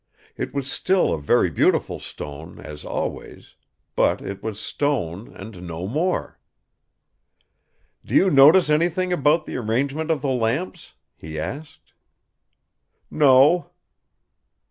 It was still a very beautiful stone, as always; but it was stone and no more. "'Do you notice anything about the arrangement of the lamps?' he asked. "'No!